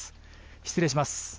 失礼します。